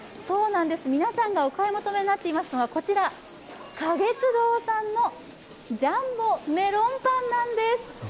そうなんです、皆さんがお買い求めになっていますのが、こちら、花月堂さんのジャンボめろんぱんなんです。